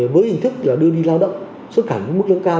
với hình thức là đưa đi lao động xuất cảnh mức lớn cao